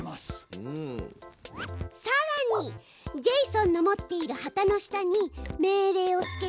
さらにジェイソンの持っている旗の下に命令をつけて。